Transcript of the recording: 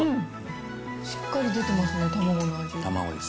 しっかり出てますね、卵の味が。